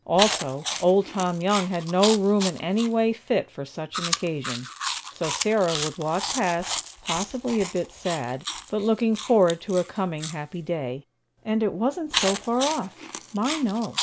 Also, Old Tom Young had no room in any way fit for such an occasion. So Sarah would walk past, possibly a bit sad, but looking forward to a coming happy day. And it wasn't so far off. My, no!